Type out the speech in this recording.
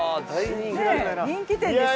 人気店ですよ。